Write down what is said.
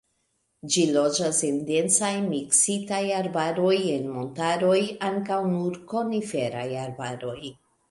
Ĝi loĝas en densaj, miksitaj arbaroj, en montaroj ankaŭ nur koniferaj arbaroj.